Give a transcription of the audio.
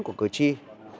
của cử trưởng